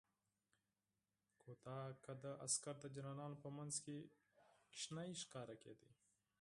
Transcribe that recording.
کوتاه قده عسکر د جنرالانو په منځ کې وړوکی ښکارېده.